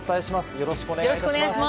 よろしくお願いします。